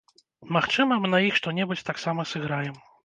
Магчыма, мы на іх што-небудзь таксама сыграем.